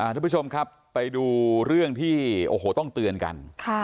ทุกผู้ชมครับไปดูเรื่องที่โอ้โหต้องเตือนกัน